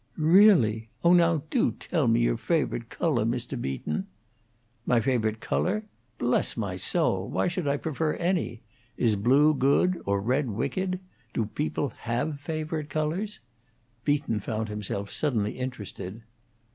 "Really? Oh, now, do tell me yo' favo'ite colo', Mr. Beaton." "My favorite color? Bless my soul, why should I prefer any? Is blue good, or red wicked? Do people have favorite colors?" Beaton found himself suddenly interested.